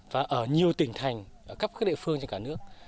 và ở nhiều tỉnh thành ở các đệ phương trên cả nước